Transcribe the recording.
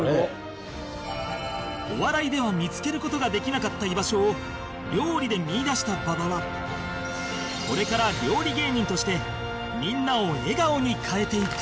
お笑いでは見付ける事ができなかった居場所を料理で見いだした馬場はこれから料理芸人としてみんなを笑顔に変えていく